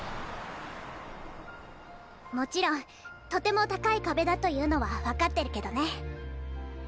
もちろんとても高い壁だというのは分かってるけどね。